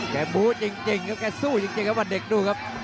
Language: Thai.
แกสู้จริงครับบรรเด่กดูครับ